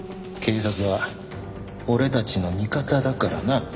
警察は俺たちの味方だからな。